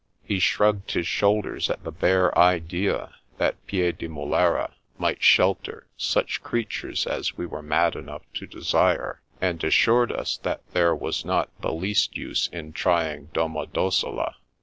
He shrugged his shoulders at the bare idea that Piedimulera might shelter such creatures as we were mad enough to desire, and as sured us that there was not the least use in trying Domodossola.